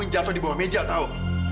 yang jatuh di bawah meja tau